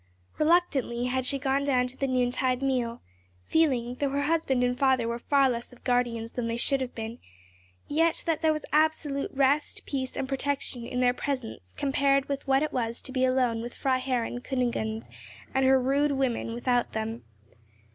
Reluctantly had she gone down to the noontide meal, feeling, though her husband and father were far less of guardians than they should have been, yet that there was absolute rest, peace, and protection in their presence compared with what it was to be alone with Freiherrinn Kunigunde and her rude women without them.